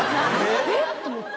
えっ！て思って。